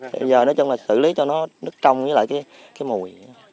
bây giờ nói chung là xử lý cho nó nước trong với lại cái mùi